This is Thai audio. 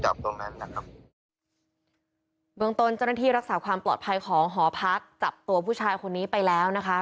แล้วสีนี้น่าจะโดนจับตรงนั้นนะครับ